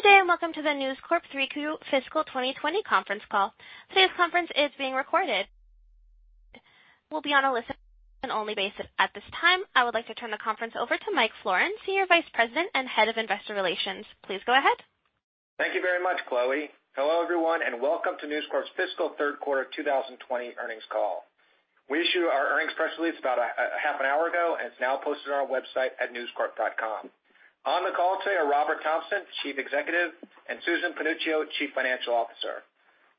Good day, and welcome to the News Corp third fiscal 2020 conference call. Today's conference is being recorded. We'll be on a listen-only basis at this time. I would like to turn the conference over to Michael Florin, Senior Vice President and Head of Investor Relations. Please go ahead. Thank you very much, Chloe. Hello, everyone. Welcome to News Corp's fiscal third quarter 2020 earnings call. We issued our earnings press release about half an hour ago. It's now posted on our website at newscorp.com. On the call today are Robert Thomson, Chief Executive, and Susan Panuccio, Chief Financial Officer.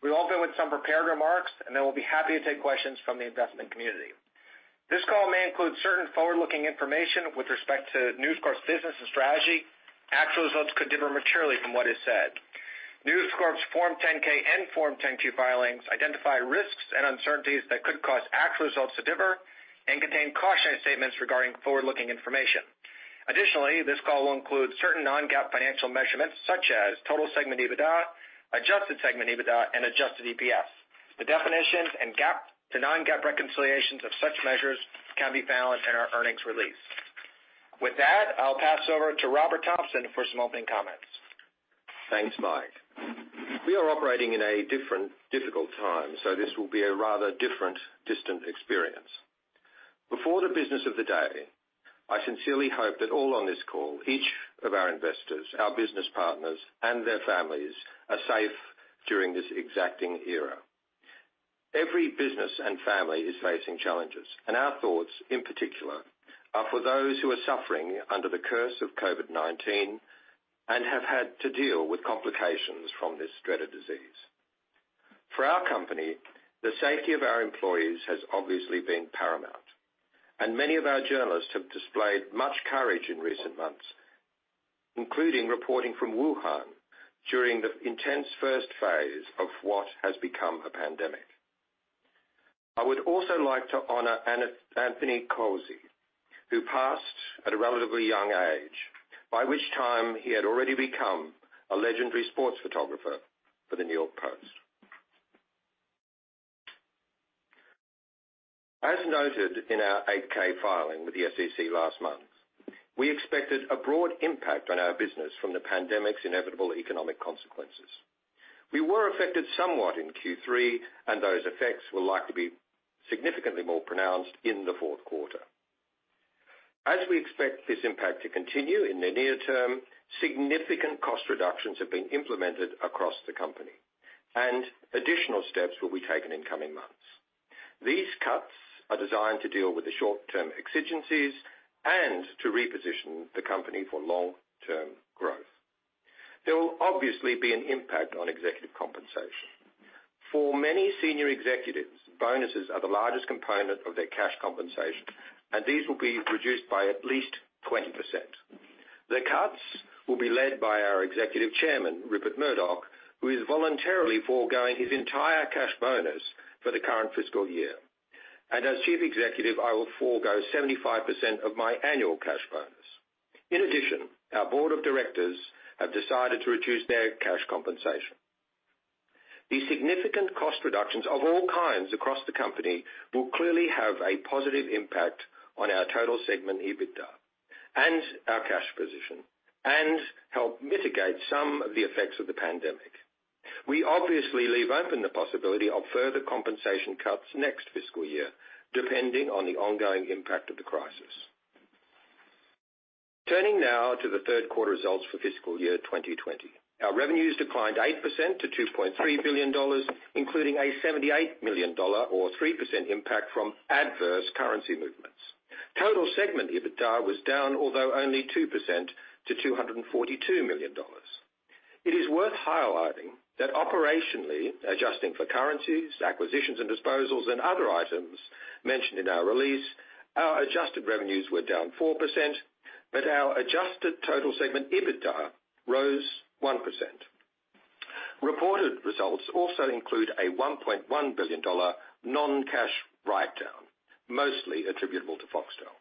We'll all go with some prepared remarks. Then we'll be happy to take questions from the investment community. This call may include certain forward-looking information with respect to News Corp's business and strategy. Actual results could differ materially from what is said. News Corp's Form 10-K and Form 10-Q filings identify risks and uncertainties that could cause actual results to differ and contain cautionary statements regarding forward-looking information. Additionally, this call will include certain non-GAAP financial measurements, such as total segment EBITDA, adjusted segment EBITDA, and adjusted EPS. The definitions and GAAP to non-GAAP reconciliations of such measures can be found in our earnings release. With that, I'll pass over to Robert Thomson for some opening comments. Thanks, Mike. We are operating in a different, difficult time, so this will be a rather different distant experience. Before the business of the day, I sincerely hope that all on this call, each of our investors, our business partners, and their families, are safe during this exacting era. Every business and family is facing challenges, and our thoughts, in particular, are for those who are suffering under the curse of COVID-19 and have had to deal with complications from this dreaded disease. For our company, the safety of our employees has obviously been paramount, and many of our journalists have displayed much courage in recent months, including reporting from Wuhan during the intense first phase of what has become a pandemic. I would also like to honor Anthony Causi, who passed at a relatively young age, by which time he had already become a legendary sports photographer for the New York Post. As noted in our 8-K filing with the SEC last month, we expected a broad impact on our business from the pandemic's inevitable economic consequences. We were affected somewhat in Q3, and those effects will likely be significantly more pronounced in the fourth quarter. As we expect this impact to continue in the near term, significant cost reductions have been implemented across the company, and additional steps will be taken in coming months. These cuts are designed to deal with the short-term exigencies and to reposition the company for long-term growth. There will obviously be an impact on executive compensation. For many senior executives, bonuses are the largest component of their cash compensation, these will be reduced by at least 20%. The cuts will be led by our Executive Chairman, Rupert Murdoch, who is voluntarily foregoing his entire cash bonus for the current fiscal year. As Chief Executive, I will forgo 75% of my annual cash bonus. In addition, our board of directors have decided to reduce their cash compensation. These significant cost reductions of all kinds across the company will clearly have a positive impact on our total segment EBITDA and our cash position, and help mitigate some of the effects of the pandemic. We obviously leave open the possibility of further compensation cuts next fiscal year, depending on the ongoing impact of the crisis. Turning now to the third quarter results for fiscal year 2020. Our revenues declined 8% to $2.3 billion, including a $78 million or 3% impact from adverse currency movements. Total segment EBITDA was down, although only 2% to $242 million. It is worth highlighting that operationally, adjusting for currencies, acquisitions, and disposals and other items mentioned in our release, our adjusted revenues were down 4%, but our adjusted total segment EBITDA rose 1%. Reported results also include a $1.1 billion non-cash write-down, mostly attributable to Foxtel.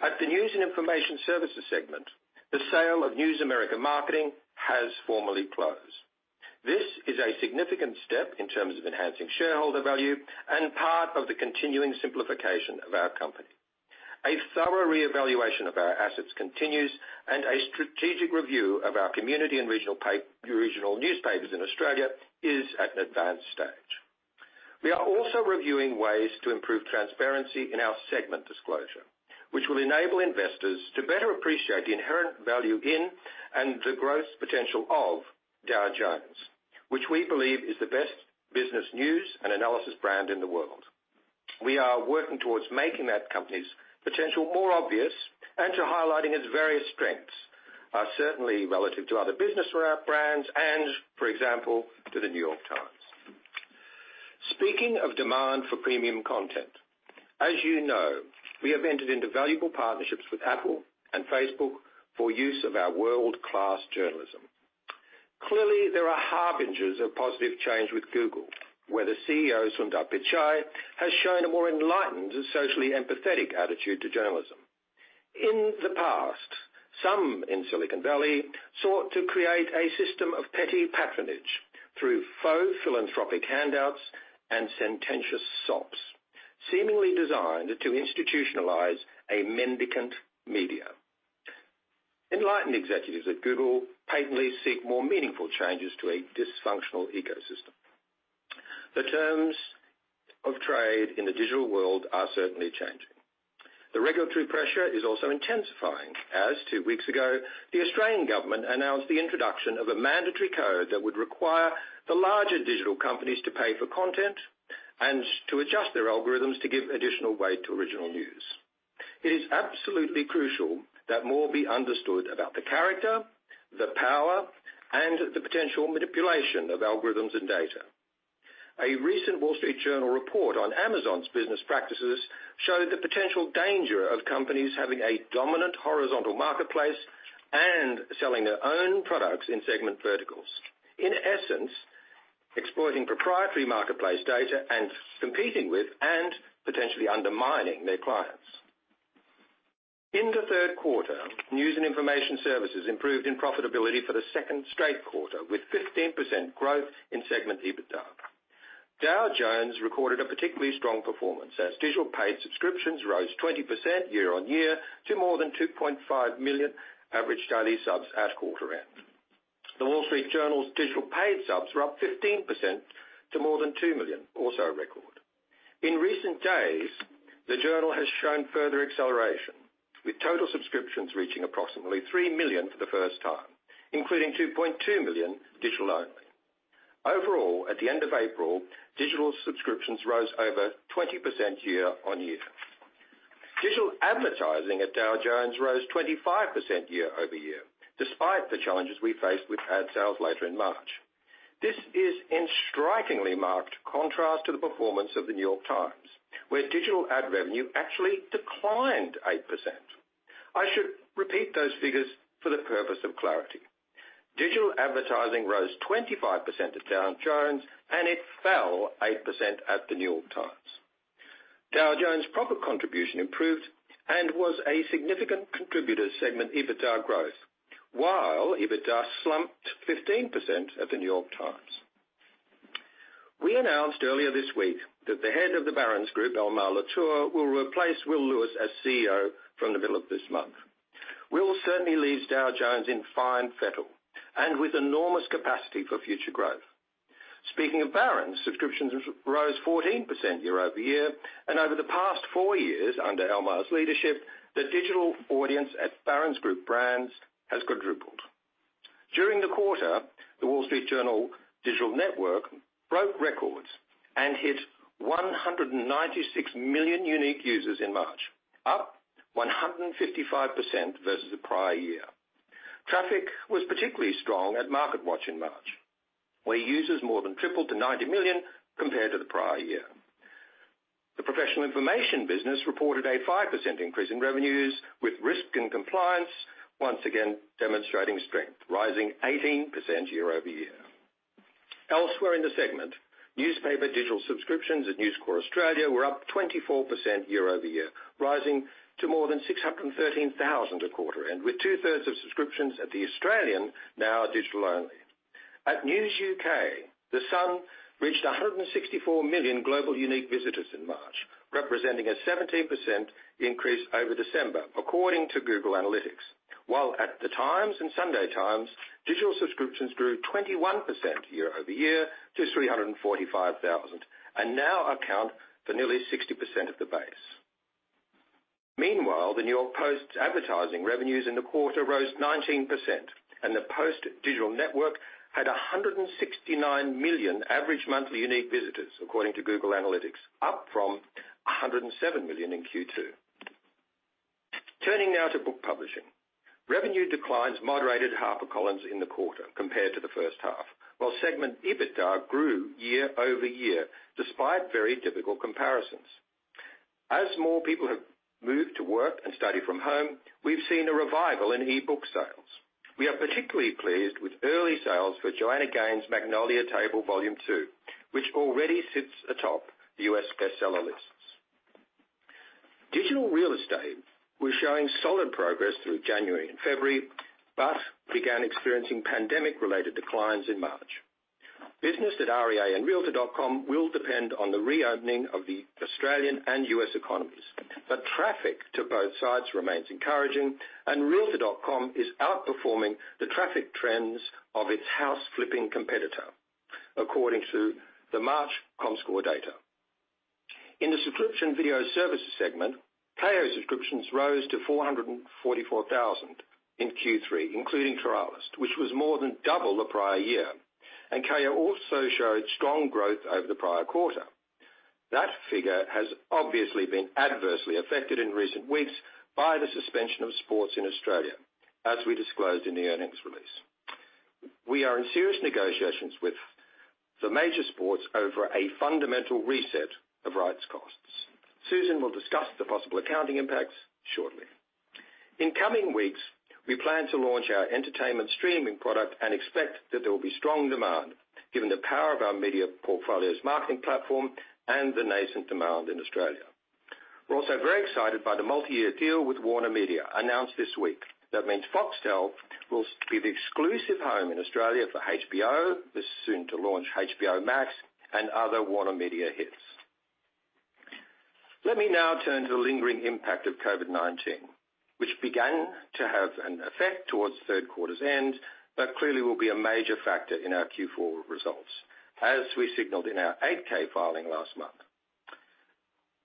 At the news and information services segment, the sale of News America Marketing has formally closed. This is a significant step in terms of enhancing shareholder value and part of the continuing simplification of our company. A thorough reevaluation of our assets continues, and a strategic review of our community and regional newspapers in Australia is at an advanced stage. We are also reviewing ways to improve transparency in our segment disclosure, which will enable investors to better appreciate the inherent value in and the growth potential of Dow Jones, which we believe is the best business news and analysis brand in the world. We are working towards making that company's potential more obvious and to highlighting its various strengths, certainly relative to other business brands and, for example, to The New York Times. Speaking of demand for premium content, as you know, we have entered into valuable partnerships with Apple and Facebook for use of our world-class journalism. Clearly, there are harbingers of positive change with Google, where the CEO, Sundar Pichai, has shown a more enlightened and socially empathetic attitude to journalism. In the past, some in Silicon Valley sought to create a system of petty patronage through faux philanthropic handouts and sententious SOPs seemingly designed to institutionalize a mendicant media. Enlightened executives at Google patently seek more meaningful changes to a dysfunctional ecosystem. The terms of trade in the digital world are certainly changing. The regulatory pressure is also intensifying, as two weeks ago, the Australian government announced the introduction of a mandatory code that would require the larger digital companies to pay for content and to adjust their algorithms to give additional weight to original news. It is absolutely crucial that more be understood about the character, the power, and the potential manipulation of algorithms and data. A recent Wall Street Journal report on Amazon's business practices showed the potential danger of companies having a dominant horizontal marketplace and selling their own products in segment verticals. In essence, exploiting proprietary marketplace data and competing with, and potentially undermining their clients. In the third quarter, News and Information Services improved in profitability for the second straight quarter, with 15% growth in segment EBITDA. Dow Jones recorded a particularly strong performance, as digital paid subscriptions rose 20% year-on-year to more than 2.5 million average daily subs at quarter end. The Wall Street Journal's digital paid subs were up 15% to more than 2 million, also a record. In recent days, the Journal has shown further acceleration, with total subscriptions reaching approximately 3 million for the first time, including 2.2 million digital only. Overall, at the end of April, digital subscriptions rose over 20% year-on-year. Digital advertising at Dow Jones rose 25% year-over-year, despite the challenges we faced with ad sales later in March. This is in strikingly marked contrast to the performance of The New York Times, where digital ad revenue actually declined 8%. I should repeat those figures for the purpose of clarity. Digital advertising rose 25% at Dow Jones, and it fell 8% at The New York Times. Dow Jones proper contribution improved and was a significant contributor to segment EBITDA growth, while EBITDA slumped 15% at The New York Times. We announced earlier this week that the head of the Barron's Group, Almar Latour, will replace Will Lewis as CEO from the middle of this month. Will certainly leaves Dow Jones in fine fettle and with enormous capacity for future growth. Speaking of Barron's, subscriptions rose 14% year-over-year, and over the past four years under Almar's leadership, the digital audience at Barron's Group Brands has quadrupled. During the quarter, The Wall Street Journal digital network broke records and hit 196 million unique users in March, up 155% versus the prior year. Traffic was particularly strong at MarketWatch in March, where users more than tripled to 90 million compared to the prior year. The professional information business reported a 5% increase in revenues, with risk and compliance once again demonstrating strength, rising 18% year-over-year. Elsewhere in the segment, newspaper digital subscriptions at News Corp Australia were up 24% year-over-year, rising to more than 613,000 a quarter end, with two-thirds of subscriptions at The Australian now are digital only. At News UK, The Sun reached 164 million global unique visitors in March, representing a 17% increase over December, according to Google Analytics, while at The Times and Sunday Times, digital subscriptions grew 21% year-over-year to 345,000, and now account for nearly 60% of the base. Meanwhile, the New York Post advertising revenues in the quarter rose 19%, and the Post digital network had 169 million average monthly unique visitors, according to Google Analytics, up from 107 million in Q2. Turning now to book publishing. Revenue declines moderated HarperCollins in the quarter compared to the first half, while segment EBITDA grew year-over-year despite very difficult comparisons. As more people have moved to work and study from home, we've seen a revival in e-book sales. We are particularly pleased with early sales for Joanna Gaines' Magnolia Table, Volume 2, which already sits atop the U.S. bestseller lists. Digital real estate was showing solid progress through January and February, but began experiencing pandemic-related declines in March. Business at REA and realtor.com will depend on the reopening of the Australian and U.S. economies. Traffic to both sites remains encouraging, and realtor.com is outperforming the traffic trends of its house-flipping competitor, according to the March Comscore data. In the subscription video services segment, Kayo subscriptions rose to 444,000 in Q3, including trialists, which was more than double the prior year, and Kayo also showed strong growth over the prior quarter. That figure has obviously been adversely affected in recent weeks by the suspension of sports in Australia, as we disclosed in the earnings release. We are in serious negotiations with the major sports over a fundamental reset of rights costs. Susan will discuss the possible accounting impacts shortly. In coming weeks, we plan to launch our entertainment streaming product and expect that there will be strong demand given the power of our media portfolio's marketing platform and the nascent demand in Australia. We're also very excited by the multi-year deal with WarnerMedia, announced this week. That means Foxtel will be the exclusive home in Australia for HBO, the soon-to-launch HBO Max, and other WarnerMedia hits. Let me now turn to the lingering impact of COVID-19, which began to have an effect towards third quarter's end, but clearly will be a major factor in our Q4 results, as we signaled in our 8-K filing last month.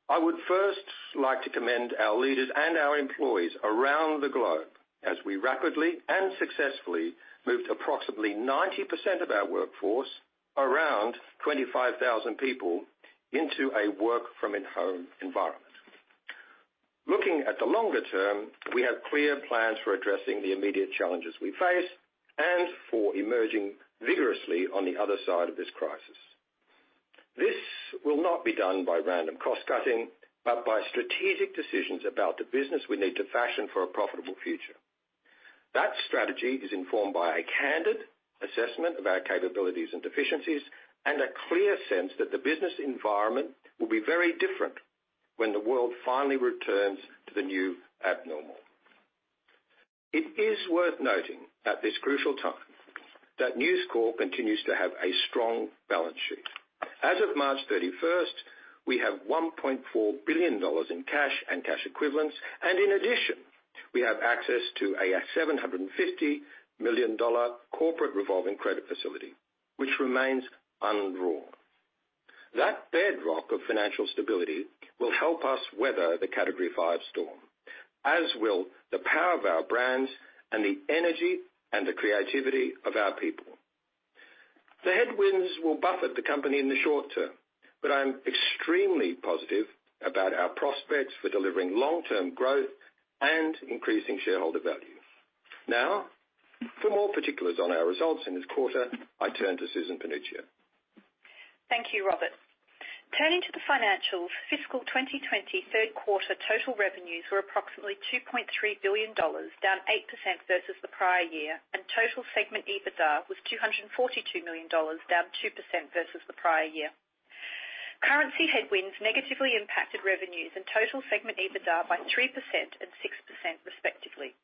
I would first like to commend our leaders and our employees around the globe as we rapidly and successfully moved approximately 90% of our workforce, around 25,000 people, into a work from in-home environment. Looking at the longer term, we have clear plans for addressing the immediate challenges we face and for emerging vigorously on the other side of this crisis. This will not be done by random cost-cutting, but by strategic decisions about the business we need to fashion for a profitable future. That strategy is informed by a candid assessment of our capabilities and deficiencies, and a clear sense that the business environment will be very different when the world finally returns to the new abnormal. It is worth noting at this crucial time that News Corp continues to have a strong balance sheet. As of March 31st, we have $1.4 billion in cash and cash equivalents, and in addition, we have access to a $750 million corporate revolving credit facility, which remains undrawn. That bedrock of financial stability will help us weather the Category 5 storm, as will the power of our brands and the energy and the creativity of our people. The headwinds will buffet the company in the short term, but I am extremely positive about our prospects for delivering long-term growth and increasing shareholder value. Now, for more particulars on our results in this quarter, I turn to Susan Panuccio. Thank you, Robert. Turning to the financials, fiscal 2020 third quarter total revenues were approximately $2.3 billion, down 8% versus the prior year, and total segment EBITDA was $242 million, down 2% versus the prior year. Currency headwinds negatively impacted revenues and total segment EBITDA by 3% and 6% respectively.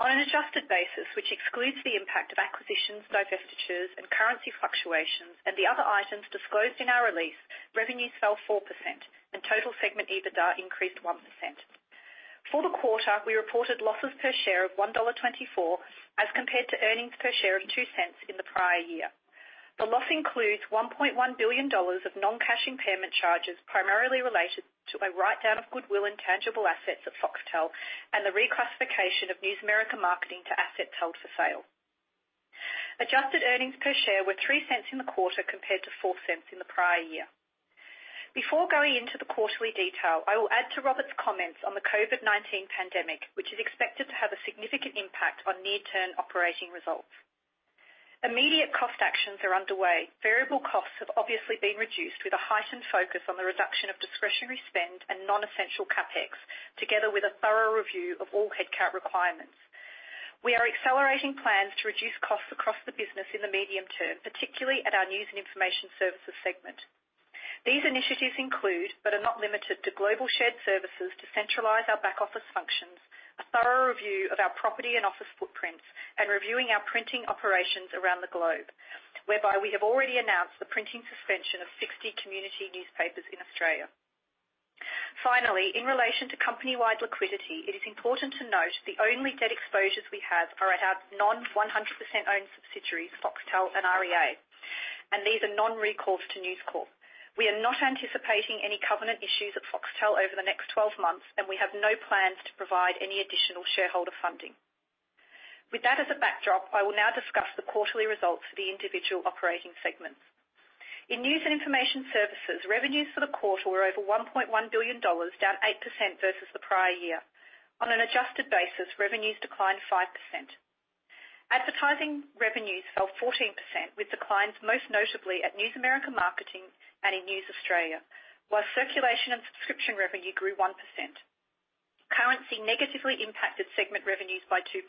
On an adjusted basis, which excludes the impact of acquisitions, divestitures, and currency fluctuations and the other items disclosed in our release, revenues fell 4% and total segment EBITDA increased 1%. For the quarter, we reported losses per share of $1.24 as compared to earnings per share of $0.02 in the prior year. The loss includes $1.1 billion of non-cash impairment charges primarily related to a write-down of goodwill and tangible assets at Foxtel and the reclassification of News America Marketing to assets held for sale. Adjusted earnings per share were $0.03 in the quarter compared to $0.04 in the prior year. Before going into the quarterly detail, I will add to Robert's comments on the COVID-19 pandemic, which is expected to have a significant impact on near-term operating results. Immediate cost actions are underway. Variable costs have obviously been reduced with a heightened focus on the reduction of discretionary spend and non-essential CapEx, together with a thorough review of all headcount requirements. We are accelerating plans to reduce costs across the business in the medium term, particularly at our News and Information Services segment. These initiatives include, but are not limited to, global shared services to centralize our back office functions, a thorough review of our property and office footprints, and reviewing our printing operations around the globe, whereby we have already announced the printing suspension of 60 community newspapers in Australia. In relation to company-wide liquidity, it is important to note the only debt exposures we have are at our non-100%-owned subsidiaries, Foxtel and REA, and these are non-recourse to News Corp. We are not anticipating any covenant issues at Foxtel over the next 12 months, and we have no plans to provide any additional shareholder funding. With that as a backdrop, I will now discuss the quarterly results for the individual operating segments. In News and Information Services, revenues for the quarter were over $1.1 billion, down 8% versus the prior year. On an adjusted basis, revenues declined 5%. Advertising revenues fell 14%, with declines most notably at News America Marketing and in News Australia. While circulation and subscription revenue grew 1%. Currency negatively impacted segment revenues by 2%.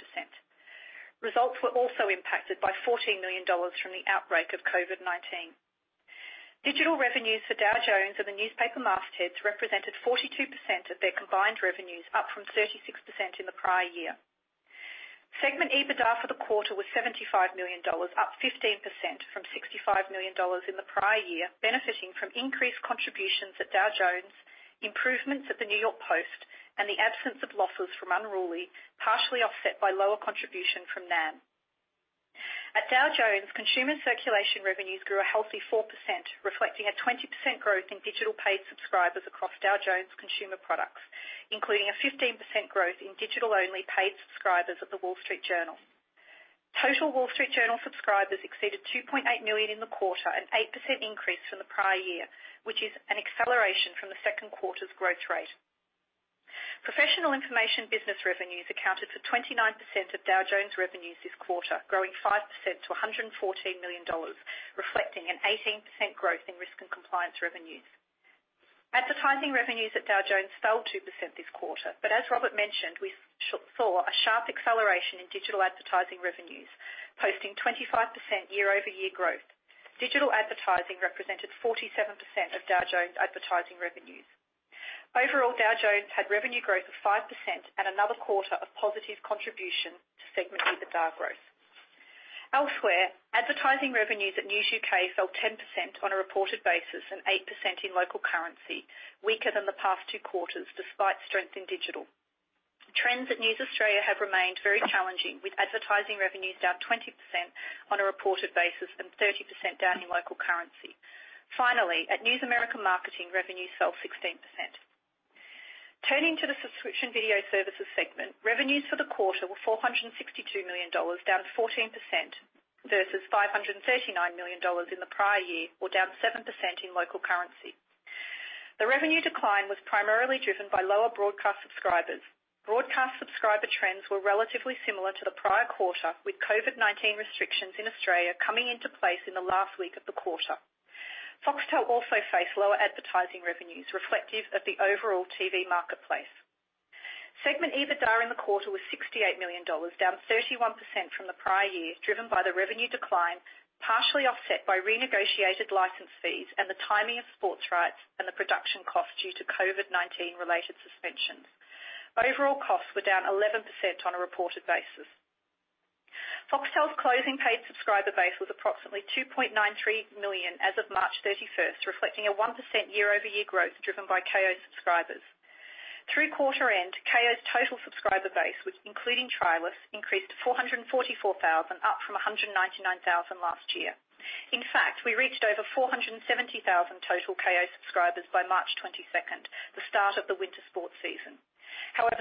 Results were also impacted by $14 million from the outbreak of COVID-19. Digital revenues for Dow Jones and the newspaper mastheads represented 42% of their combined revenues, up from 36% in the prior year. Segment EBITDA for the quarter was $75 million, up 15% from $65 million in the prior year, benefiting from increased contributions at Dow Jones, improvements at the New York Post, and the absence of losses from Unruly, partially offset by lower contribution from NAM. At Dow Jones, consumer circulation revenues grew a healthy 4%, reflecting a 20% growth in digital paid subscribers across Dow Jones consumer products, including a 15% growth in digital-only paid subscribers of The Wall Street Journal. Total Wall Street Journal subscribers exceeded 2.8 million in the quarter, an 8% increase from the prior year, which is an acceleration from the second quarter's growth rate. Professional information business revenues accounted for 29% of Dow Jones revenues this quarter, growing 5% to $114 million, reflecting an 18% growth in risk and compliance revenues. Advertising revenues at Dow Jones fell 2% this quarter. As Robert mentioned, we saw a sharp acceleration in digital advertising revenues, posting 25% year-over-year growth. Digital advertising represented 47% of Dow Jones' advertising revenues. Overall, Dow Jones had revenue growth of 5% and another quarter of positive contribution to segment EBITDA growth. Elsewhere, advertising revenues at News UK fell 10% on a reported basis and 8% in local currency, weaker than the past two quarters, despite strength in digital. Trends at News Australia have remained very challenging, with advertising revenues down 20% on a reported basis and 30% down in local currency. Finally, at News America Marketing, revenues fell 16%. Turning to the subscription video services segment, revenues for the quarter were $462 million, down 14%, versus $539 million in the prior year or down 7% in local currency. The revenue decline was primarily driven by lower broadcast subscribers. Broadcast subscriber trends were relatively similar to the prior quarter, with COVID-19 restrictions in Australia coming into place in the last week of the quarter. Foxtel also faced lower advertising revenues reflective of the overall TV marketplace. Segment EBITDA in the quarter was $68 million, down 31% from the prior year, driven by the revenue decline, partially offset by renegotiated license fees and the timing of sports rights and the production costs due to COVID-19-related suspensions. Overall costs were down 11% on a reported basis. Foxtel's closing paid subscriber base was approximately 2.93 million as of March 31st, reflecting a 1% year-over-year growth driven by Kayo subscribers. Through quarter end, Kayo's total subscriber base, which including trialists, increased to 444,000, up from 199,000 last year. We reached over 470,000 total Kayo subscribers by March 22nd, the start of the winter sports season.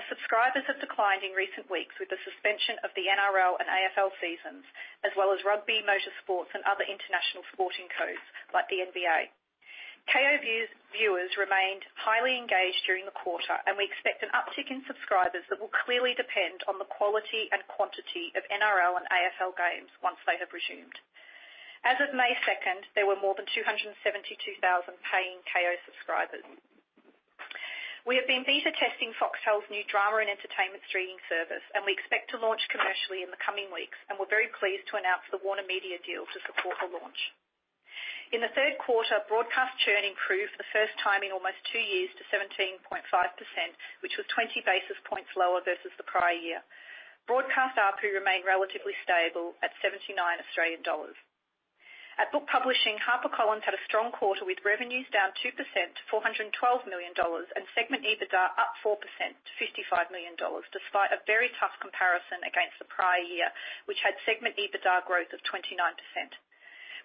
Subscribers have declined in recent weeks with the suspension of the NRL and AFL seasons, as well as rugby, motorsports, and other international sporting codes like the NBA. Kayo viewers remained highly engaged during the quarter, we expect an uptick in subscribers that will clearly depend on the quality and quantity of NRL and AFL games once they have resumed. As of May 2nd, there were more than 272,000 paying Kayo subscribers. We have been beta testing Foxtel's new drama and entertainment streaming service, we expect to launch commercially in the coming weeks, and we're very pleased to announce the WarnerMedia deal to support the launch. In the third quarter, broadcast churn improved for the first time in almost two years to 17.5%, which was 20 basis points lower versus the prior year. Broadcast ARPU remained relatively stable at 79 Australian dollars. At Book Publishing, HarperCollins had a strong quarter with revenues down 2% to $412 million and segment EBITDA up 4% to $55 million, despite a very tough comparison against the prior year, which had segment EBITDA growth of 29%.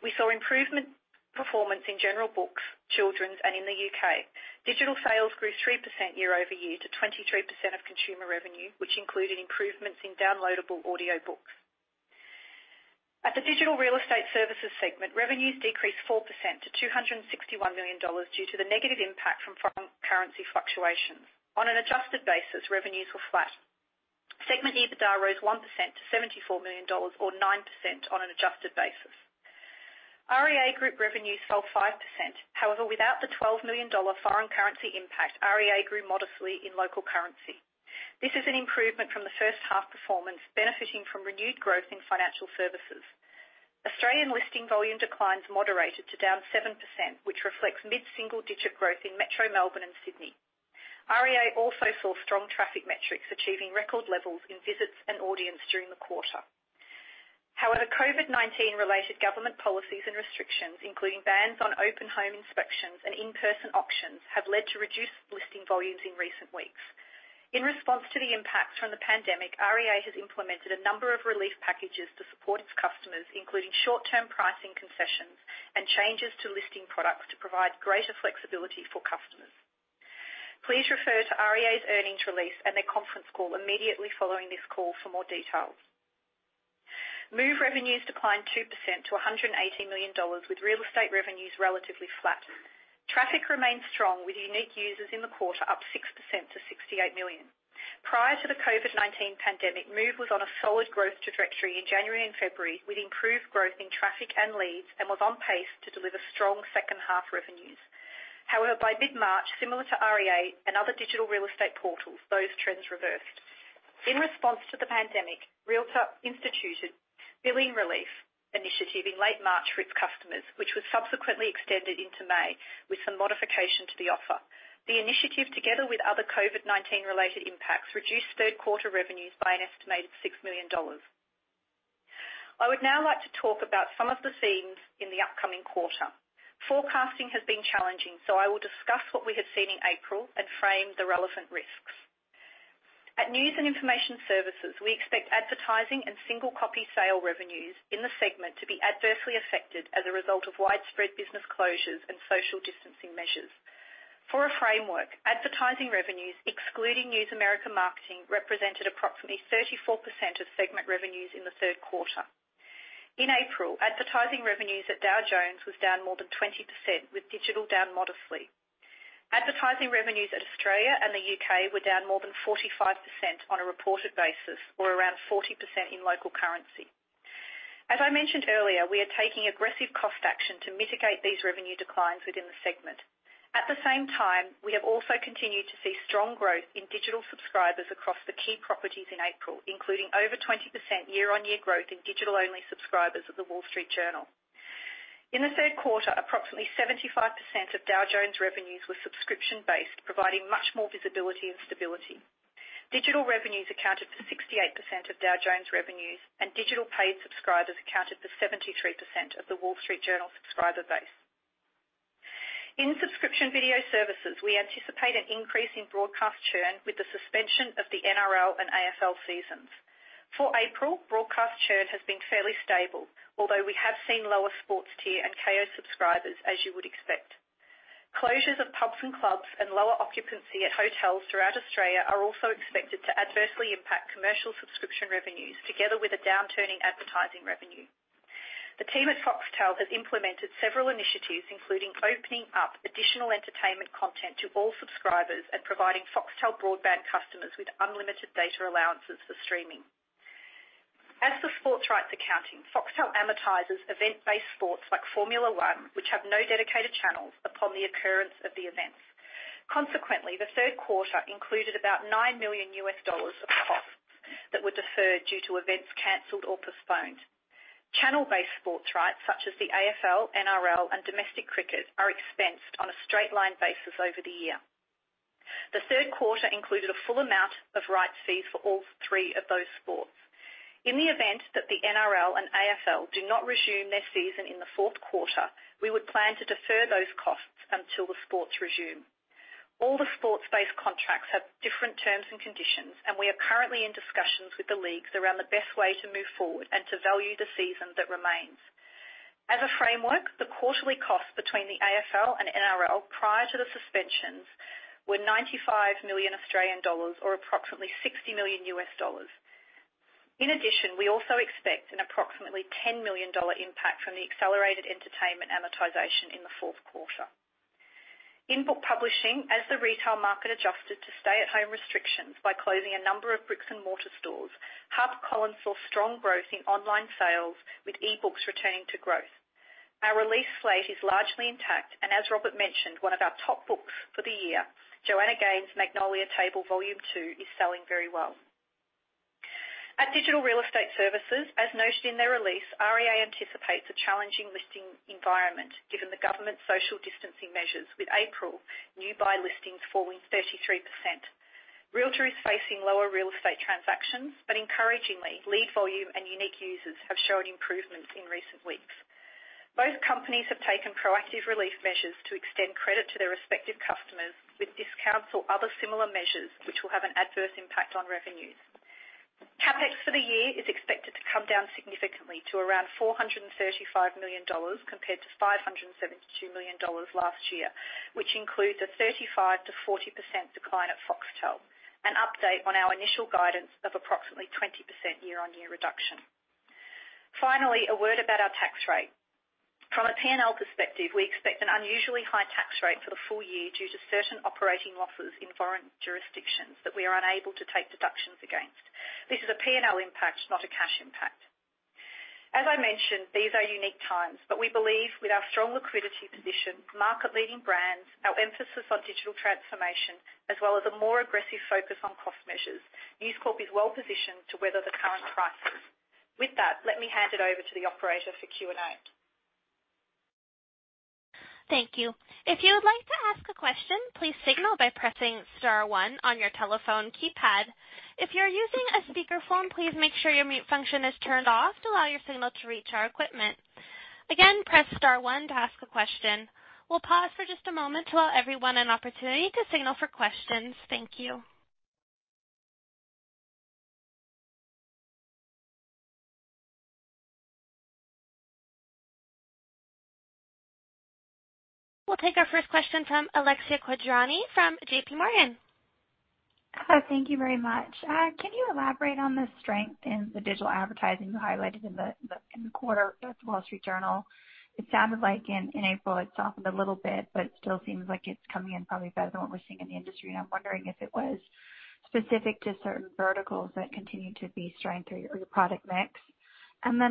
We saw improvement performance in general books, children's, and in the U.K. Digital sales grew 3% year-over-year to 23% of consumer revenue, which included improvements in downloadable audiobooks. At the Digital Real Estate Services segment, revenues decreased 4% to $261 million due to the negative impact from foreign currency fluctuations. On an adjusted basis, revenues were flat. Segment EBITDA rose 1% to $74 million or 9% on an adjusted basis. REA Group revenues fell 5%. However, without the $12 million foreign currency impact, REA grew modestly in local currency. This is an improvement from the first half performance, benefiting from renewed growth in financial services. Australian listing volume declines moderated to down 7%, which reflects mid-single-digit growth in metro Melbourne and Sydney. REA also saw strong traffic metrics, achieving record levels in visits and audience during the quarter. However, COVID-19-related government policies and restrictions, including bans on open home inspections and in-person auctions, have led to reduced listing volumes in recent weeks. In response to the impacts from the pandemic, REA has implemented a number of relief packages to support its customers, including short-term pricing concessions and changes to listing products to provide greater flexibility for customers. Please refer to REA's earnings release and their conference call immediately following this call for more details. Move revenues declined 2% to $180 million, with real estate revenues relatively flat. Traffic remains strong, with unique users in the quarter up 6% to 68 million. Prior to the COVID-19 pandemic, Move was on a solid growth trajectory in January and February with improved growth in traffic and leads and was on pace to deliver strong second-half revenues. By mid-March, similar to REA and other digital real estate portals, those trends reversed. In response to the pandemic, Realtor instituted billing relief initiative in late March for its customers, which was subsequently extended into May with some modification to the offer. The initiative, together with other COVID-19-related impacts, reduced third-quarter revenues by an estimated $6 million. I would now like to talk about some of the themes in the upcoming quarter. Forecasting has been challenging, I will discuss what we have seen in April and frame the relevant risks. At News and Information Services, we expect advertising and single copy sale revenues in the segment to be adversely affected as a result of widespread business closures and social distancing measures. For a framework, advertising revenues, excluding News America Marketing, represented approximately 34% of segment revenues in the third quarter. In April, advertising revenues at Dow Jones was down more than 20%, with digital down modestly. Advertising revenues at Australia and the U.K. were down more than 45% on a reported basis or around 40% in local currency. As I mentioned earlier, we are taking aggressive cost action to mitigate these revenue declines within the segment. At the same time, we have also continued to see strong growth in digital subscribers across the key properties in April, including over 20% year-on-year growth in digital-only subscribers of The Wall Street Journal. In the third quarter, approximately 75% of Dow Jones revenues were subscription-based, providing much more visibility and stability. Digital revenues accounted for 68% of Dow Jones revenues, and digital paid subscribers accounted for 73% of The Wall Street Journal subscriber base. In subscription video services, we anticipate an increase in broadcast churn with the suspension of the NRL and AFL seasons. For April, broadcast churn has been fairly stable, although we have seen lower sports tier and Kayo subscribers, as you would expect. Closures of pubs and clubs and lower occupancy at hotels throughout Australia are also expected to adversely impact commercial subscription revenues, together with a downturn in advertising revenue. The team at Foxtel has implemented several initiatives, including opening up additional entertainment content to all subscribers and providing Foxtel broadband customers with unlimited data allowances for streaming. As for sports rights accounting, Foxtel amortizes event-based sports like Formula 1, which have no dedicated channels, upon the occurrence of the events. Consequently, the third quarter included about $9 million of costs that were deferred due to events canceled or postponed. Channel-based sports rights, such as the AFL, NRL, and domestic cricket, are expensed on a straight-line basis over the year. The third quarter included a full amount of rights fees for all three of those sports. In the event that the NRL and AFL do not resume their season in the fourth quarter, we would plan to defer those costs until the sports resume. All the sports-based contracts have different terms and conditions, and we are currently in discussions with the leagues around the best way to move forward and to value the season that remains. As a framework, the quarterly cost between the AFL and NRL prior to the suspensions were 95 million Australian dollars or approximately $60 million. In addition, we also expect an approximately $10 million impact from the accelerated entertainment amortization in the fourth quarter. In book publishing, as the retail market adjusted to stay-at-home restrictions by closing a number of bricks and mortar stores, HarperCollins saw strong growth in online sales, with e-books returning to growth. Our release slate is largely intact, and as Robert mentioned, one of our top books for the year, Joanna Gaines' Magnolia Table, Volume 2, is selling very well. At Digital Real Estate Services, as noted in their release, REA anticipates a challenging listing environment given the government social distancing measures, with April new buy listings falling 33%. Realtor is facing lower real estate transactions, but encouragingly, lead volume and unique users have shown improvements in recent weeks. Both companies have taken proactive relief measures to extend credit to their respective customers with discounts or other similar measures, which will have an adverse impact on revenues. CapEx for the year is expected to come down significantly to around $435 million, compared to $572 million last year, which includes a 35%-40% decline at Foxtel, an update on our initial guidance of approximately 20% year-on-year reduction. Finally, a word about our tax rate. From a P&L perspective, we expect an unusually high tax rate for the full year due to certain operating losses in foreign jurisdictions that we are unable to take deductions against. This is a P&L impact, not a cash impact. As I mentioned, these are unique times, but we believe with our strong liquidity position, market-leading brands, our emphasis on digital transformation, as well as a more aggressive focus on cost measures, News Corp is well positioned to weather the current crisis. With that, let me hand it over to the operator for Q&A. Thank you. If you would like to ask a question, please signal by pressing star one on your telephone keypad. If you're using a speakerphone, please make sure your mute function is turned off to allow your signal to reach our equipment. Again, press star one to ask a question. We'll pause for just a moment to allow everyone an opportunity to signal for questions. Thank you. We'll take our first question from Alexia Quadrani from J.P. Morgan. Hi. Thank you very much. Can you elaborate on the strength in the digital advertising you highlighted in the quarter with The Wall Street Journal? It sounded like in April it softened a little bit, but it still seems like it's coming in probably better than what we're seeing in the industry, and I'm wondering if it was specific to certain verticals that continue to be strength or your product mix.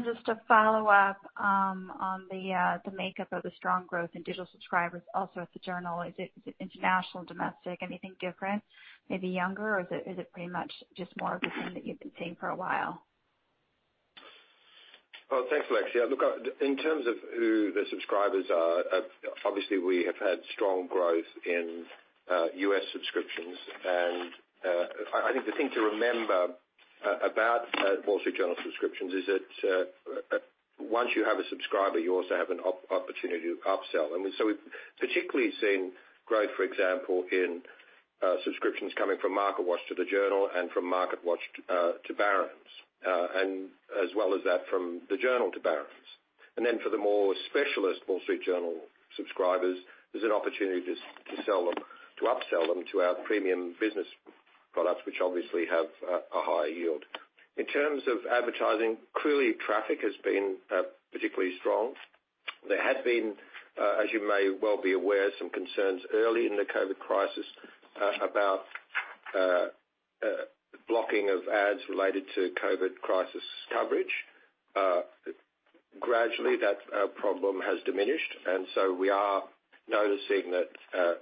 Just to follow up on the makeup of the strong growth in digital subscribers also at the Journal. Is it international, domestic, anything different, maybe younger, or is it pretty much just more of the same that you've been seeing for a while? Well, thanks, Alexia. Look, in terms of who the subscribers are, obviously, we have had strong growth in U.S. subscriptions. I think the thing to remember about Wall Street Journal subscriptions is that once you have a subscriber, you also have an opportunity to upsell. We've particularly seen growth, for example, in subscriptions coming from MarketWatch to the Journal and from MarketWatch to Barron's, and as well as that from the Journal to Barron's. For the more specialist Wall Street Journal subscribers, there's an opportunity to upsell them to our premium business products, which obviously have a higher yield. In terms of advertising, clearly, traffic has been particularly strong. There had been, as you may well be aware, some concerns early in the COVID crisis about blocking of ads related to COVID crisis coverage. Gradually that problem has diminished. We are noticing that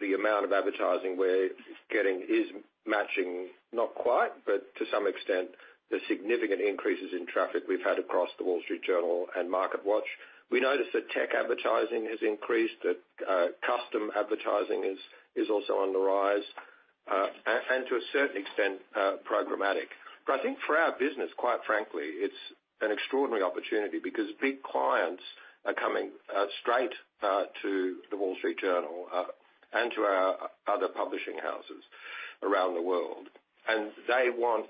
the amount of advertising we're getting is matching, not quite, but to some extent, the significant increases in traffic we've had across The Wall Street Journal and MarketWatch. We noticed that tech advertising has increased, that custom advertising is also on the rise, and to a certain extent, programmatic. I think for our business, quite frankly, it's an extraordinary opportunity because big clients are coming straight to The Wall Street Journal and to our other publishing houses around the world. They want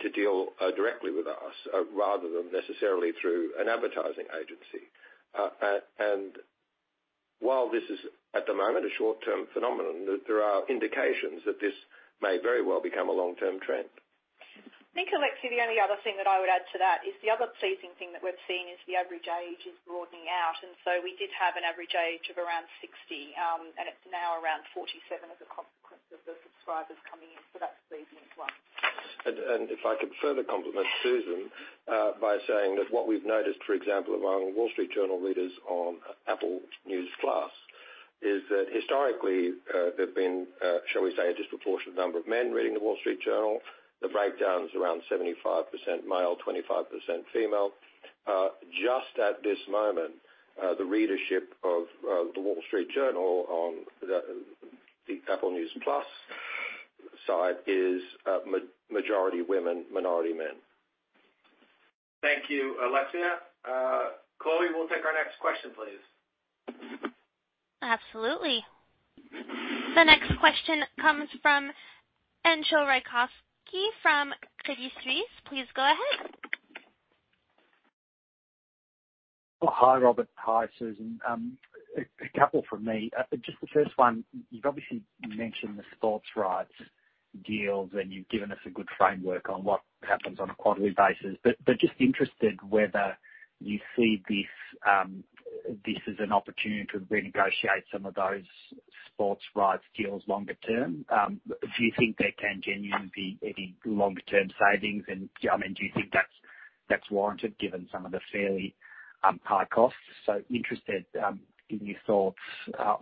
to deal directly with us rather than necessarily through an advertising agency. While this is, at the moment, a short-term phenomenon, there are indications that this may very well become a long-term trend. I think, Alexia, the only other thing that I would add to that is the other pleasing thing that we've seen is the average age is broadening out. We did have an average age of around 60, and it's now around 47 as a consequence of the subscribers coming in. That's pleasing as well. If I could further compliment Susan by saying that what we've noticed, for example, among The Wall Street Journal readers on Apple News+ is that historically, there have been, shall we say, a disproportionate number of men reading The Wall Street Journal. The breakdown is around 75% male, 25% female. Just at this moment, the readership of The Wall Street Journal on the Apple News+ side is majority women, minority men. Thank you, Alexia. Chloe, we'll take our next question, please. Absolutely. The next question comes from Entcho Raykovski from Credit Suisse. Please go ahead. Oh, hi, Robert. Hi, Susan. A couple from me. Just the first one, you've obviously mentioned the sports rights deals, and you've given us a good framework on what happens on a quarterly basis. Just interested whether you see this as an opportunity to renegotiate some of those sports rights deals longer term. Do you think there can genuinely be any longer-term savings? Do you think that's warranted given some of the fairly high costs? Interested in your thoughts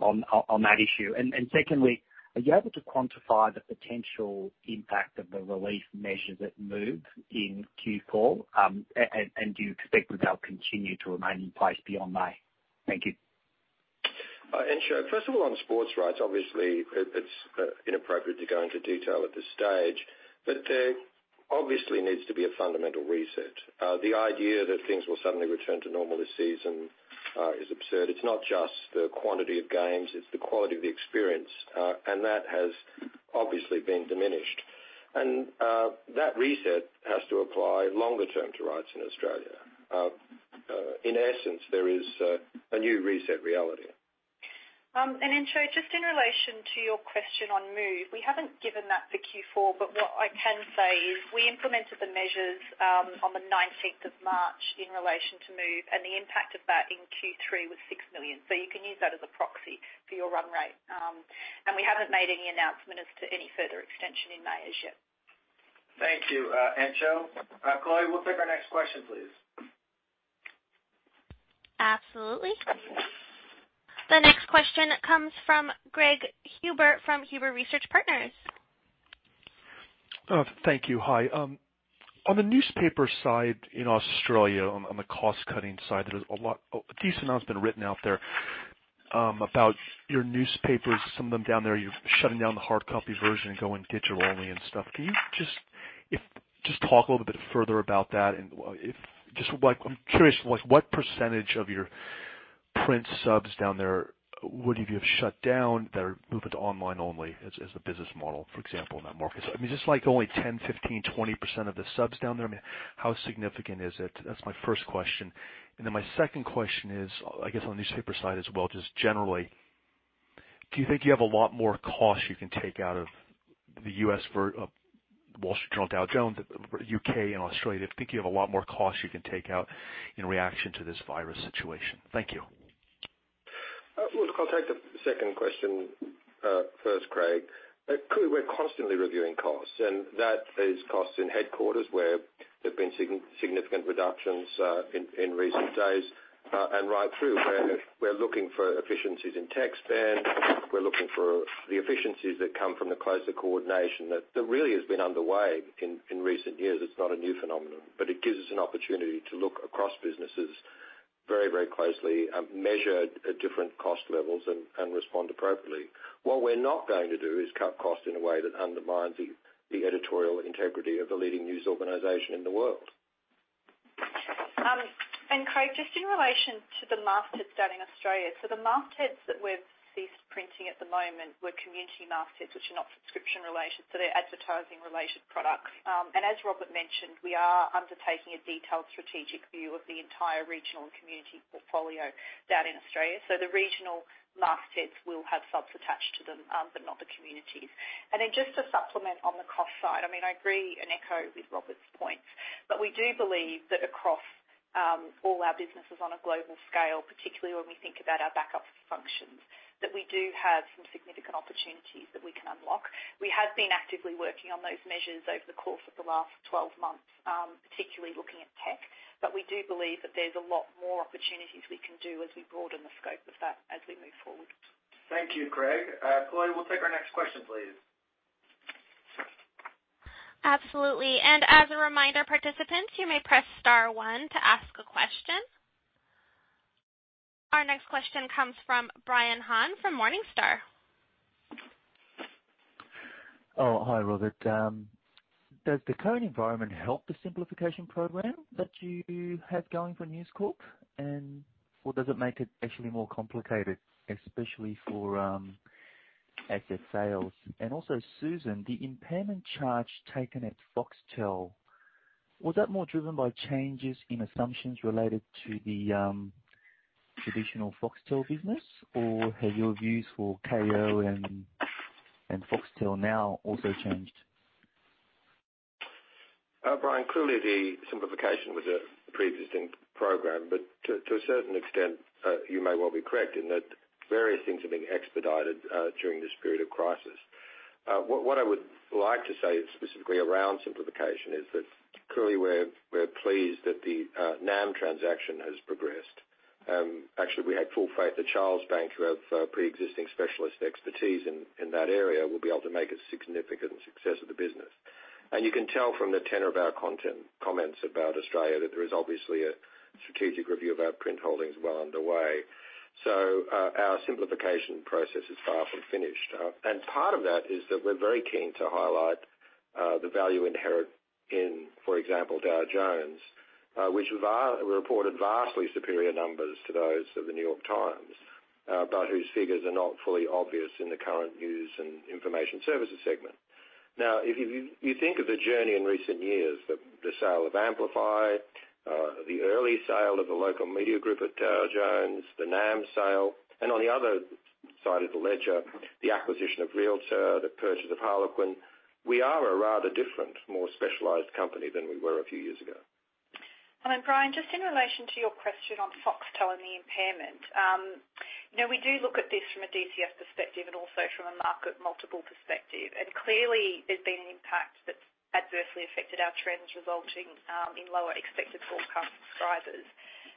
on that issue. Secondly, are you able to quantify the potential impact of the relief measures at Move in Q4? Do you expect that they'll continue to remain in place beyond May? Thank you. Entcho, first of all, on sports rights, obviously, it's inappropriate to go into detail at this stage, but there obviously needs to be a fundamental reset. The idea that things will suddenly return to normal this season is absurd. It's not just the quantity of games, it's the quality of the experience. That has obviously been diminished. That reset has to apply longer term to rights in Australia. In essence, there is a new reset reality. Entcho, just in relation to your question on Move, we haven't given that for Q4, but what I can say is we implemented the measures on the 19th of March in relation to Move, and the impact of that in Q3 was $6 million. You can use that as a proxy for your run rate. We haven't made any announcement as to any further extension in May as yet. Thank you, Entcho. Chloe, we'll take our next question, please. Absolutely. The next question comes from Craig Huber from Huber Research Partners. Thank you. Hi. On the newspaper side in Australia, on the cost-cutting side, a decent amount has been written out there about your newspapers, some of them down there, you're shutting down the hard copy version and going digital only and stuff. Can you just talk a little bit further about that? I'm curious, what % of your print subs down there would you have shut down that are moving to online only as a business model, for example, in that market? Just like only 10%, 15%, 20% of the subs down there, how significant is it? That's my first question. My second question is, I guess on the newspaper side as well, just generally, do you think you have a lot more cost you can take out of the U.S. for The Wall Street Journal, Dow Jones, U.K. and Australia? Do you think you have a lot more cost you can take out in reaction to this virus situation? Thank you. Look, I'll take the second question first, Craig. Clearly, we're constantly reviewing costs, and that is costs in headquarters where there have been significant reductions in recent days, and right through where we're looking for efficiencies in tech spend, we're looking for the efficiencies that come from the closer coordination that really has been underway in recent years. It's not a new phenomenon. It gives us an opportunity to look across businesses very closely, measure at different cost levels, and respond appropriately. What we're not going to do is cut cost in a way that undermines the editorial integrity of the leading news organization in the world. Craig, just in relation to the mastheads down in Australia. The mastheads that we've ceased printing at the moment were community mastheads, which are not subscription-related, so they're advertising-related products. As Robert mentioned, we are undertaking a detailed strategic view of the entire regional and community portfolio down in Australia. The regional mastheads will have subs attached to them, but not the communities. Just to supplement on the cost side, I agree and echo with Robert's points, but we do believe that across all our businesses on a global scale, particularly when we think about our backup functions, that we do have some significant opportunities that we can unlock. We have been actively working on those measures over the course of the last 12 months, particularly looking at tech. We do believe that there's a lot more opportunities we can do as we broaden the scope of that as we move forward. Thank you, Craig. Chloe, we will take our next question, please. Absolutely. As a reminder, participants, you may press star one to ask a question. Our next question comes from Brian Han from Morningstar. Oh, hi, Robert. Does the current environment help the simplification program that you have going for News Corp? Or does it make it actually more complicated, especially for asset sales? Susan, the impairment charge taken at Foxtel, was that more driven by changes in assumptions related to the traditional Foxtel business? Or have your views for Kayo and Foxtel now also changed? Brian, clearly the simplification was a preexisting program, but to a certain extent, you may well be correct in that various things have been expedited during this period of crisis. What I would like to say specifically around simplification is that clearly we're pleased that the NAM transaction has progressed. Actually, we had full faith that Charlesbank, who have preexisting specialist expertise in that area, will be able to make a significant success of the business. You can tell from the tenor of our content comments about Australia that there is obviously a strategic review of our print holdings well underway. Our simplification process is far from finished. Part of that is that we're very keen to highlight the value inherent in, for example, Dow Jones, which reported vastly superior numbers to those of The New York Times, but whose figures are not fully obvious in the current News and Information Services segment. If you think of the journey in recent years, the sale of Amplify, the early sale of the local media group at Dow Jones, the NAM sale, and on the other side of the ledger, the acquisition of Realtor, the purchase of Harlequin. We are a rather different, more specialized company than we were a few years ago. Brian, just in relation to your question on Foxtel and the impairment. We do look at this from a DCF perspective and also from a market multiple perspective. Clearly there's been an impact that's adversely affected our trends, resulting in lower expected forecast prices.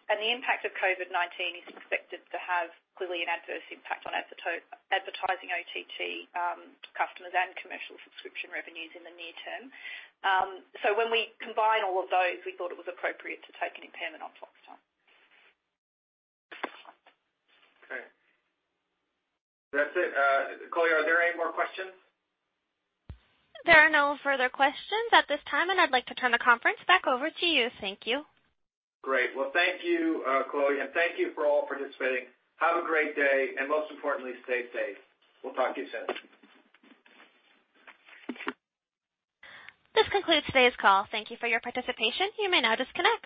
The impact of COVID-19 is expected to have clearly an adverse impact on advertising OTT customers and commercial subscription revenues in the near term. When we combine all of those, we thought it was appropriate to take an impairment on Foxtel. Okay. That's it. Chloe, are there any more questions? There are no further questions at this time, and I'd like to turn the conference back over to you. Thank you. Great. Well, thank you, Chloe. Thank you for all participating. Have a great day. Most importantly, stay safe. We'll talk to you soon. This concludes today's call. Thank you for your participation. You may now disconnect.